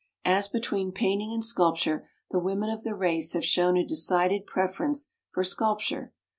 As between painting and sculpture the women of the race have shown a decided preference for sculpture.